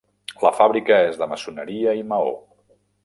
La fàbrica és de maçoneria i maó.